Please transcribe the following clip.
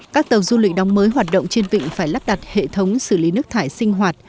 các tàu du lịch đóng mới hoạt động trên vịnh phải lắp đặt hệ thống xử lý nước thải sinh hoạt